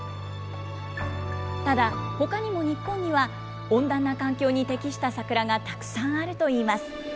ただほかにも日本には、温暖な環境に適した桜がたくさんあるといいます。